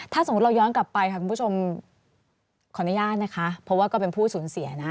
ถ้าสมมุติเราย้อนกลับไปค่ะคุณผู้ชมขออนุญาตนะคะเพราะว่าก็เป็นผู้สูญเสียนะ